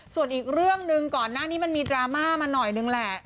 ส่วนอีกเรื่องหนึ่งก่อนหน้านี้มันมีดราม่ามาหน่อยนึงแหละ